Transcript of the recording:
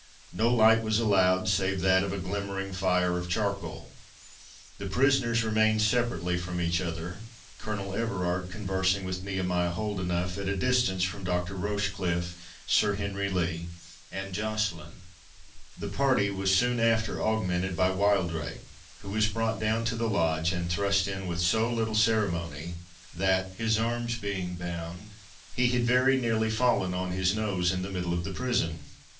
No light was allowed, save that of a glimmering fire of charcoal. The prisoners remained separated from each other, Colonel Everard conversing with Nehemiah Holdenough, at a distance from Dr. Rochecliffe, Sir Henry Lee, and Joceline. The party was soon after augmented by Wildrake, who was brought down to the Lodge, and thrust in with so little ceremony, that, his arms being bound, he had very nearly fallen on his nose in the middle of the prison.